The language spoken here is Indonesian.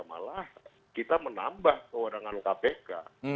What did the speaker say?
malah kita menambah kewenangan kpk